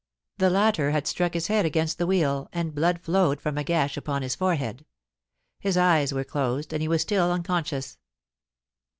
The latter had struck his head against the wheel, and blood flowed from a gash upon his forehead; his eyes were closed, and he was still un conscious.